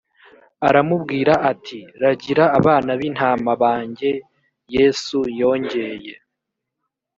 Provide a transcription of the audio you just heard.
aramubwira ati ragira abana b intama banjye yesu yongeye